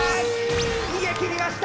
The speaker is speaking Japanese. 逃げ切りました！